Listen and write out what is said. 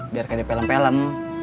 biar kan dia pelem pelem